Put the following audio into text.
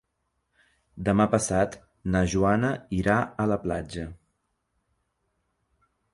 Demà passat na Joana irà a la platja.